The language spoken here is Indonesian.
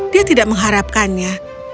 dia tidak mengharapkannya